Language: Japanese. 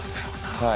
はい。